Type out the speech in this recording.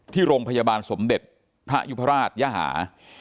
ที่โรงพยาบาลสมเด็จพระยุพราชยหา